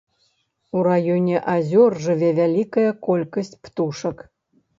У раёне азёр жыве вялікая колькасць птушак.